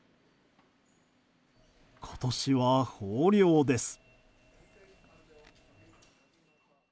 今年は豊漁です。